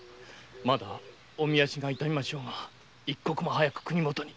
まだおみ足が痛みましょうが一刻も早く国元に。